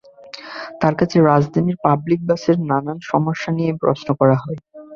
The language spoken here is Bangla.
তাঁর কাছে রাজধানীর পাবলিক বাসের নানান সমস্যা নিয়েই প্রশ্ন করা হয়।